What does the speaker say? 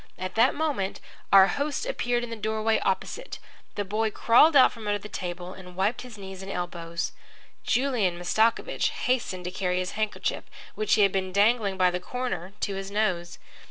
At that moment our host appeared in the doorway opposite. The boy crawled out from under the table and wiped his knees and elbows. Julian Mastakovich hastened to carry his handkerchief, which he had been dangling by the corner, to his nose.